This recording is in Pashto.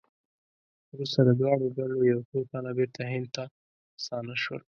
وروسته د دواړو ډلو یو څو تنه بېرته هند ته ستانه شول.